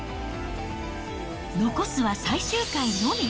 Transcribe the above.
残すは最終回のみ。